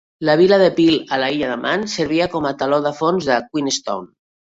La vila de Peel a l'illa de Man servia com a teló de fons de Queenstown.